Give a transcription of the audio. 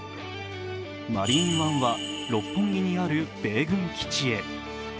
マリーンワンは六本木にある米軍基地へ。